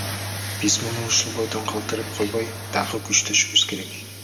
Биз муну ушул бойдон калтырып койбой, дагы күчөтүшүбүз керек.